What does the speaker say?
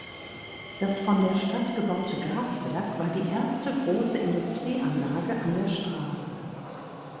Das von der Stadt gebaute Gaswerk war die erste grosse Industrieanlage an der Strasse.